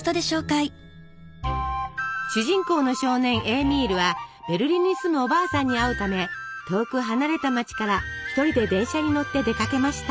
主人公の少年エーミールはベルリンに住むおばあさんに会うため遠く離れた街から一人で電車に乗って出かけました。